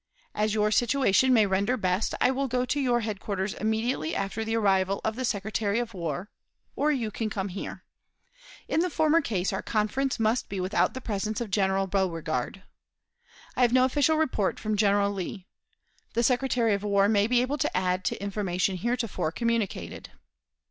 "As your situation may render best, I will go to your headquarters immediately after the arrival of the Secretary of War, or you can come here; in the former case our conference must be without the presence of General Beauregard. I have no official report from General Lee. The Secretary of War may be able to add to information heretofore communicated.